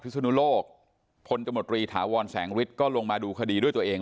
พิษภูมิโลกพลจำรตรีถาวรแสงฤษก็ลงมาดูคดีด้วยตัวเอง